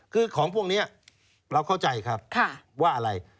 คือของพวกนี้เราเข้าใจครับว่าอะไร